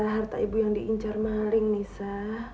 harta ibu yang diincar maling nisa